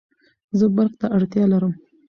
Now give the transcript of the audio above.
زه برق ته اړتیا لرم